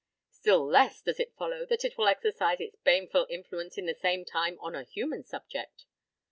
Still less does it follow that it will exercise its baneful influence in the same time on a human subject.